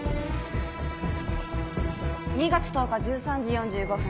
２月１０日１３時４５分